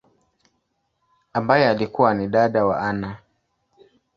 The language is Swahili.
ambaye alikua ni dada wa Anna.